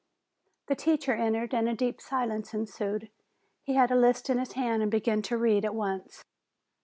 The teacher entered, and a deep silence ensued. He had the list in his hand, and began to read at once.